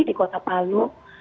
di kota palu